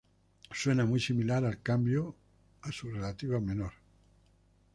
Suena muy similar al cambio a su relativa menor.